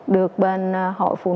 được bên hội phụ trợ